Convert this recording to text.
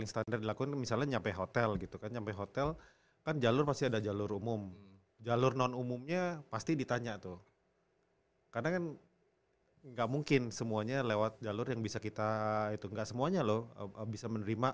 sampai jumpa di video selanjutnya